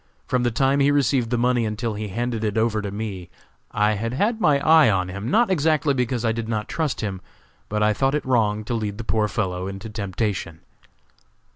From the time he received the money until he handed it over to me, I had had my eye on him not exactly because I did not trust him, but I thought it wrong to lead the poor fellow into temptation.